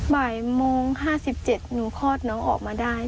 บ่ายโมงห้าสิบเจ็ดหนูคลอดน้องออกมาได้